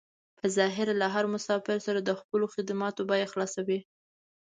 په ظاهره له هر مسافر سره د خپلو خدماتو بيه خلاصوي.